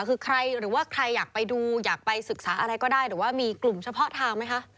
คือใครหรือว่าใครอยากไปดูอยากไปศึกษาอะไรก็ได้หรือว่ามีกลุ่มเฉพาะทางไหมคะ